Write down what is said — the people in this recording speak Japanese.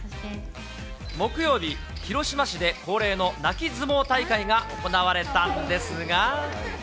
木曜日、広島市で恒例の泣き相撲大会が行われたんですが。